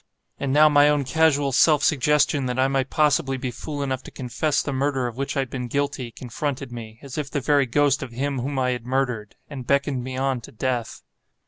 And now my own casual self suggestion that I might possibly be fool enough to confess the murder of which I had been guilty, confronted me, as if the very ghost of him whom I had murdered—and beckoned me on to death.